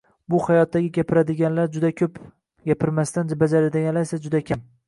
Bu hayotda gapiradiganlar juda ko’p, gapirmasdan bajaradiganlar esa juda kam